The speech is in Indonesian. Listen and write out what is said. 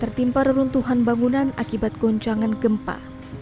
tertimpa reruntuhan bangunan akibat goncangan gempa